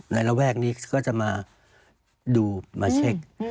ระแวกนี้ก็จะมาดูมาเช็ค